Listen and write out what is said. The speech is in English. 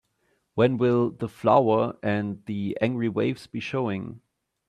When will The Flower and the Angry Waves be showing?